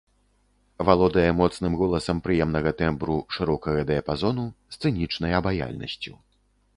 Валодае моцным голасам прыемнага тэмбру, шырокага дыяпазону, сцэнічнай абаяльнасцю.